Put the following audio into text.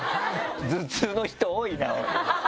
頭痛の人多いな。